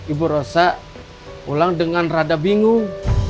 ibu rosa pulang dengan rada bingung